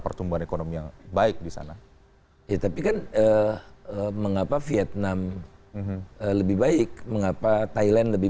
pertumbuhan ekonomi yang baik di sana ya tapi kan mengapa vietnam lebih baik mengapa thailand lebih